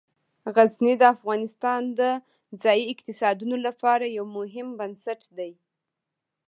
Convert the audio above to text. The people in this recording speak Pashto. غزني د افغانستان د ځایي اقتصادونو لپاره یو مهم بنسټ دی.